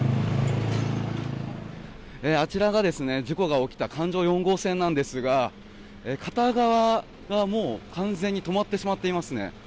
あちらが事故が起きた環状４号線なんですが片側がもう完全に止まってしまっていますね。